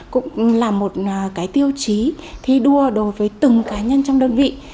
cũng là một cái tiêu chí thi đua đối với từng cá nhân trong đơn vị